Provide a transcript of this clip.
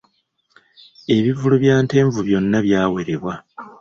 Ebivvulu bya Ntenvu byonna byawerebwa.